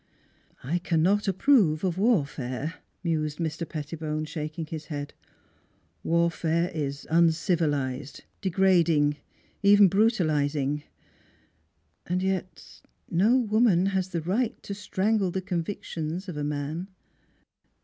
" I cannot approve of warfare," mused Mr. Pettibone, shaking his head: "Warfare is un civilized, degrading, even brutalizing; and yet no woman has the right to strangle the convic tions of a man."